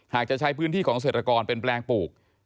จะใช้พื้นที่ของเศรษฐกรเป็นแปลงปลูก